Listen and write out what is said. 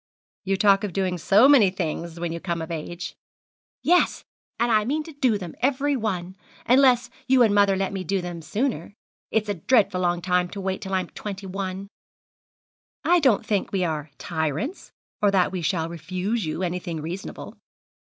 'You talk of doing so many things when you come of age.' 'Yes; and I mean to do them, every one; unless you and mother let me do them sooner. It's a dreadful long time to wait till I'm twenty one!' 'I don't think we are tyrants, or that we shall refuse you anything reasonable.'